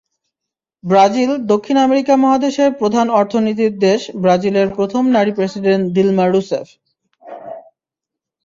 ব্রাজিলদক্ষিণ America মহাদেশের প্রধান অর্থনীতির দেশ ব্রাজিলের প্রথম নারী প্রেসিডেন্ট দিলমা রুসেফ।